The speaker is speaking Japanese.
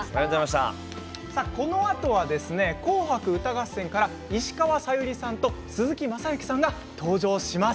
このあとは「紅白歌合戦」から石川さゆりさんと鈴木雅之さんが登場します。